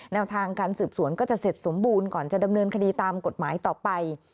แนวทางการสืบสวนก็จะเสร็จสมบูรณ์ก่อนจะดำเนินคดีตามกฎหมายต่อไป